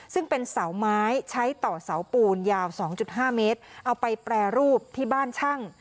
ซึ่งเป็นเสาไม้ใช้ต่อเสาปูนยาว๒๕เมตรเอาไปแปรรูปที่บ้านช่าง